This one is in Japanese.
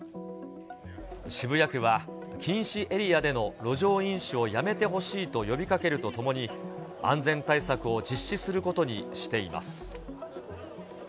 渋谷区は禁止エリアでの路上飲酒をやめてほしいと呼びかけるとともに、安全対策を実施することにしています。